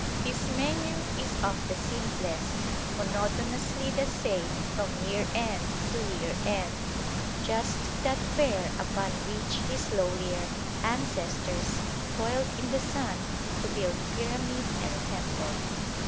His menu is of the simplest, monotonously the same from year end to year end; just that fare upon which his lowlier ancestors toiled in the sun to build pyramid and temple.